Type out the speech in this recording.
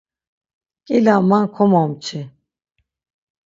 Nǩila man komomçi.